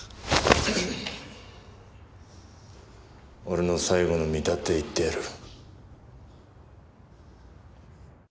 俺の最後の見立て言ってやる。